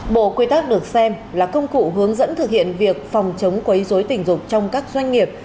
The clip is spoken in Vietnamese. bộ quy tắc được xem là công cụ hướng dẫn thực hiện việc phòng chống quấy dối tình dục trong các doanh nghiệp